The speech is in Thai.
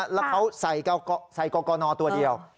แล้วเขาใส่กรกนตัวเดียว